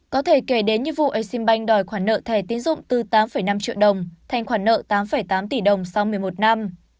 có thể kể đến như vụ exim bank đòi khoản nợ thẻ tiến dụng từ tám năm triệu đồng thành khoản nợ tám tám tỷ đồng sau một mươi một năm